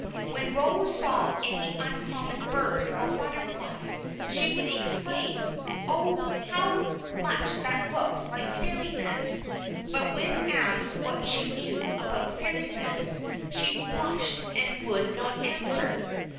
When Rose saw any uncommon bird or butterfly, she would exclaim: "Oh, how much that looks like Fairyland!" But when asked what she knew about Fairyland, she blushed and would not answer.